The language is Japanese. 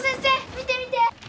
見て見て。